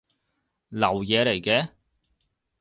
流嘢嚟嘅